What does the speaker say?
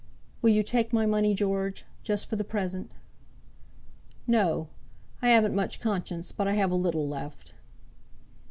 "Will you take my money, George; just for the present?" "No. I haven't much conscience; but I have a little left."